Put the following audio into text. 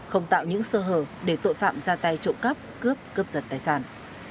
không tạo những sơ hở để tội phạm ra tay trộm cắp cướp cướp giật tài sản